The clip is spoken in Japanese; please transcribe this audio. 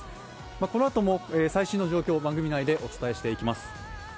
このあとも、最新の状況番組内でお伝えしていきます。